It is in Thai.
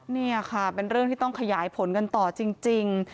นี่ค่ะเป็นเรื่องที่ต้องขยายผลกันต่อจริง